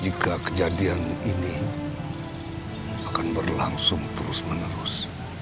jika kejadian ini akan berlangsung terus menerus